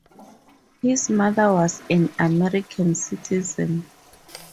His mother was an American citizen.